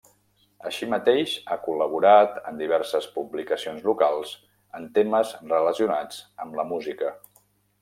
Així mateix ha col·laborat en diverses publicacions locals en temes relacionats amb la música.